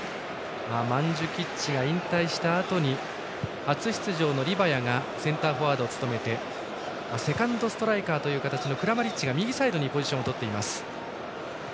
マンジュキッチが引退したあとに初出場のリバヤがセンターを務めてセカンドストライカーという形のクラマリッチが右サイドにポジションをとっています。